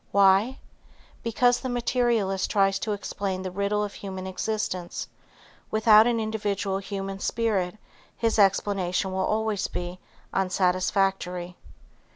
Why? Because the materialist tries to explain the riddle of human existence without an individual human spirit his explanation will always be unsatisfactory.